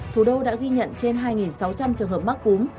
thủ đô đã ghi nhận trên hai sáu trăm linh trường hợp mắc cúm